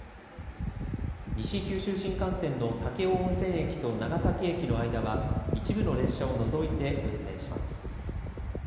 西九州新幹線の武雄温泉駅と長崎駅の間は一部の列車を除いて運転します。